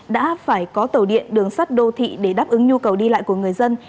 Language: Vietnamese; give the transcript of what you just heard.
đã phải có tàu điện đường sắt đô thị để đáp ứng nhu cầu đi lại của người dân